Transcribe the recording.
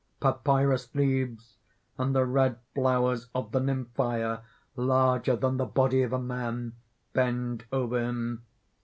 Papyrus leaves and the red flowers of the nymphæa, larger than the body of a man, bend over him.